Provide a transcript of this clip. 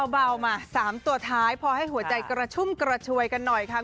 เบามา๓ตัวท้ายพอให้หัวใจกระชุ่มกระชวยกันหน่อยค่ะ